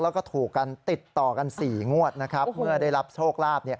แล้วก็ถูกกันติดต่อกัน๔งวดนะครับเมื่อได้รับโชคลาภ